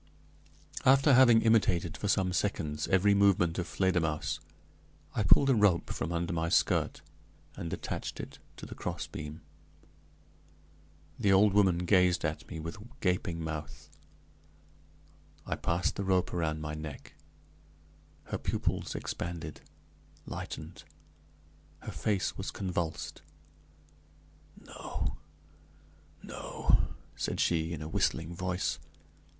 After having imitated for some seconds every movement of Fledermausse, I pulled a rope from under my skirt, and attached it to the crossbeam. The old woman gazed at me with gaping mouth. I passed the rope around my neck; her pupils expanded, lightened; her face was convulsed. "No, no!" said she, in a whistling voice.